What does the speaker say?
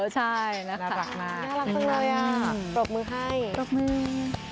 ใช่น่ารักมากน่ารักจังเลยอ่ะปรบมือให้ปรบมือ